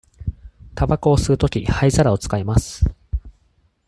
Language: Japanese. たばこを吸うとき、灰皿を使います。